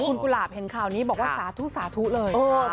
คุณกุหลาบเห็นข่าวนี้บอกว่าสาธุสาธุเลย